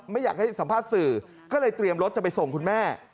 ไม่อยากให้สัมภาษณ์สื่อก็เลยเตรียมรถจะไปส่งคุณแม่